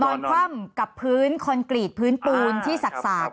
นอนคว่ำกับพื้นคอนกรีตพื้นปูนที่สากใช่ไหมครับ